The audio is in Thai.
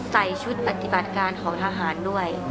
ใส่ชุดปฏิบัติการของทหารด้วย